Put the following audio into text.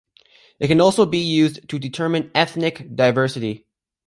It can also be used to determine ethnic diversity.